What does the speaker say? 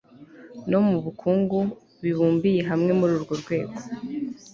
no mu bukungu bibumbiye hamwe muri uru rwego